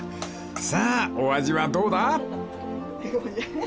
［さあお味はどうだ？］